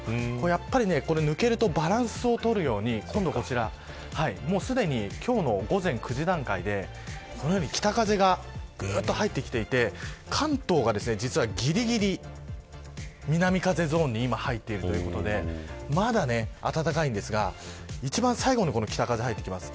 やっぱり抜けるとバランスを取るようにすでに今日の午前９時段階で北風がぐっと入ってきていて関東が、実はぎりぎり南風ゾーンに入っているということでまだ暖かいんですが一番最後に北風が入ってきます。